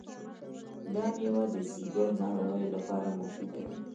دا مېوه د ځیګر ناروغیو لپاره مفیده ده.